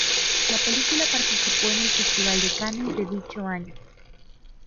La película participó en el festival de Cannes de dicho año.